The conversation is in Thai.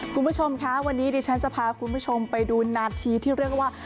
คุณผู้ชมคะวันนี้ดิฉันจะพาคุณผู้ชมไปดูนาทีที่เรียกว่า